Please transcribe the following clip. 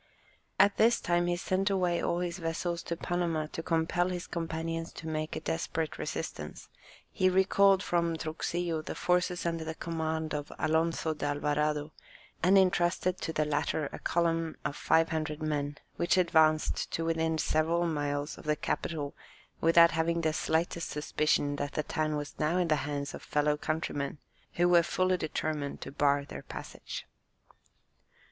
At this time he sent away all his vessels to Panama to compel his companions to make a desperate resistance; he recalled from Truxillo the forces under the command of Alonzo d'Alvarado, and entrusted to the latter a column of 500 men, which advanced to within several miles of the capital without having the slightest suspicion that the town was now in the hands of fellow countrymen, who were fully determined to bar their passage.